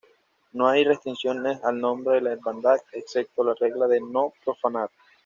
No hay restricciones al nombre de la Hermandad excepto la regla de "no profanar".